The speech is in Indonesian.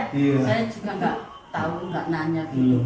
saya juga gak tau gak nanya